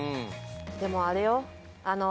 でもあれよ。